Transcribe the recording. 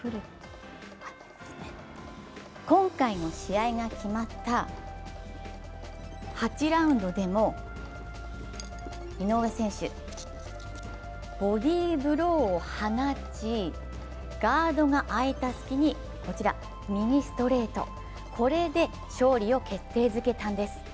今回の試合が決まった８ラウンドでも井上選手、ボディーブローを放ち、ガードがあいた隙に右ストレート、これで勝利を決定づけたんです。